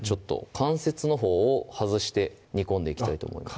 関節のほうを外して煮込んでいきたいと思います